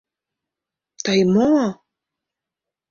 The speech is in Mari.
Тый мо-о?!